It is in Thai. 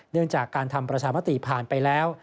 เรื่องจากการทำประชามติผ่านไปแล้ว